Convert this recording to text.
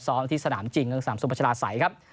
ซ้อมที่สนามจิงสนามสวมปัชฌาสัยครับ